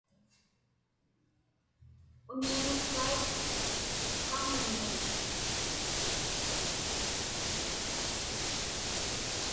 Unianukkaik qamunmiñ.